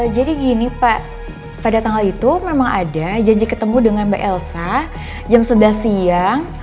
jadi gini pak pada tanggal itu memang ada janji ketemu dengan mbak elsa jam sebelas siang